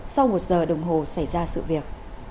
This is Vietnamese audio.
sau một giờ đồng hồ xảy ra sự việc